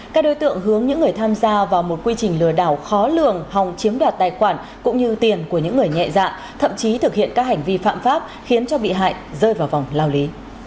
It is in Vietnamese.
các đối tượng hướng những người tham gia vào một quy trình lừa đảo khó lường hòng chiếm đoạt tài khoản cũng như tiền của những người nhẹ dạ thậm chí thực hiện các hành vi phạm pháp khiến cho bị hại rơi vào vòng lao lý